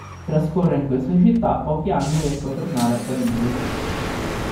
Trascorre in questa città pochi anni per poi tornare a Parigi.